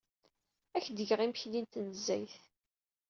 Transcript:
Ad ak-d-geɣ imekli n tnezzayt.